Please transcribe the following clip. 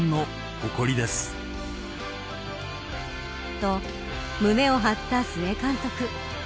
と、胸を張った須江監督。